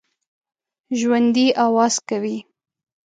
ژوندي آواز کوي